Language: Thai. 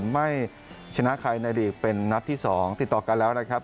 ไม่ชนะใครในลีกเป็นนัดที่๒ติดต่อกันแล้วนะครับ